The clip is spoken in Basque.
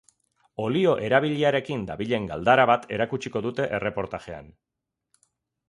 Olio erabiliarekin dabilen galdara bat erakutsiko dute erreportajean.